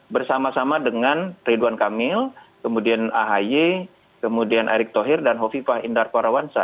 bersama sama dengan ridwan kamil kemudian ahy kemudian erick tohir dan hovi fahindar parawansa